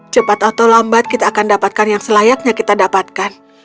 cepat atau lambat kita akan dapatkan yang selayaknya kita dapatkan